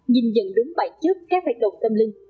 nhìn nhận đúng bản chất các hoạt động tâm linh